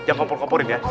jangan kompor komporin ya